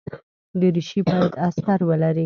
دریشي باید استر لري.